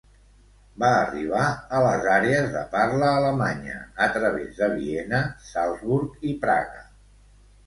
Va arribar a les àrees de parla alemanya a través de Viena, Salzburg i Praga.